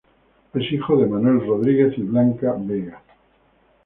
Es hijo de Manuel Rodríguez y Blanca Vega.